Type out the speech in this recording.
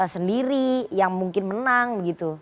sendiri yang mungkin menang